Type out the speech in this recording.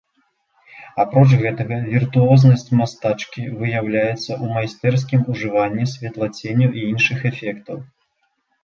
Апроч гэтага, віртуознасць мастачкі выяўляецца ў майстэрскім ужыванні святлаценю і іншых эфектаў.